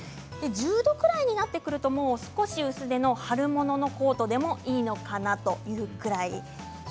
１０度ぐらいになってくると少し薄手の春物のコートでもいいのかなというくらい。